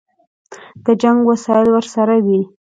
د جنګ وسایل ورسره وي.